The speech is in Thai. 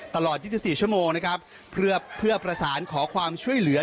ตลอด๒๔ชั่วโมงนะครับเพื่อประสานขอความช่วยเหลือ